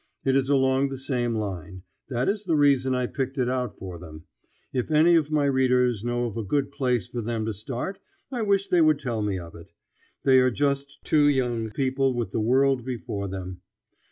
It is along the same line; that is the reason I picked it out for them. If any of my readers know of a good place for them to start I wish they would tell me of it. They are just two young people with the world before them.